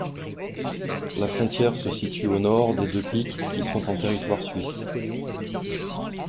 La frontière se situe au nord des deux pics qui sont en territoire suisse.